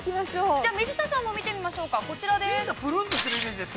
◆じゃあ、水田さんも見てみましょうか、こちらです。